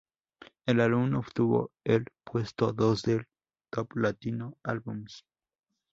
El álbum obtuvo el puesto dos del Top Latin Albums.